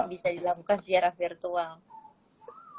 bisa dilakukan sejarah virtual